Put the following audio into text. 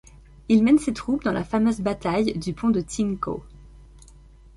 Il mène ses troupes dans la fameuse bataille du pont de Ting Kau.